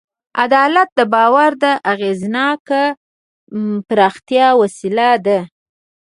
عدالت د باور د اغېزناکې پراختیا وسیله ده.